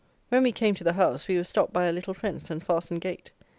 When we came to the house, we were stopped by a little fence and fastened gate.